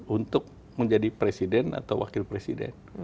untuk menjadi presiden atau wakil presiden